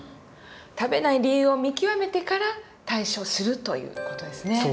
食べない理由を見極めてから対処するという事ですね。